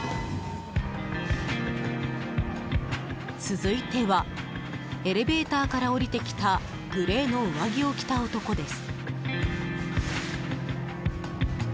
続いてはエレベーターから降りてきたグレーの上着を着た男です。